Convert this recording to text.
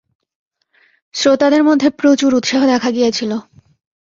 শ্রোতাদের মধ্যে প্রচুর উৎসাহ দেখা গিয়াছিল।